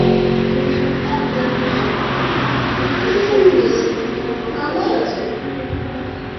তাই এসব সুপারিশ ডিএসইর পক্ষ থেকে যথাযথ কর্তৃপক্ষের কাছে তুলে ধরা হবে।